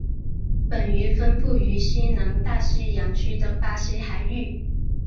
本鱼分布于西南大西洋区的巴西海域。